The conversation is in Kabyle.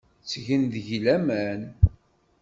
Ttgen deg-i laman.